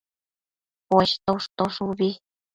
Poshto ushtosh ubi